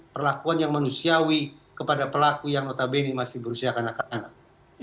perlakuan yang manusiawi kepada pelaku yang notabene masih berusia anak anak